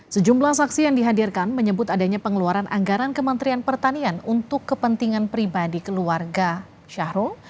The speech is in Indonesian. sejumlah saksi yang dihadirkan menyebut adanya pengeluaran anggaran kementerian pertanian untuk kepentingan pribadi keluarga syahrul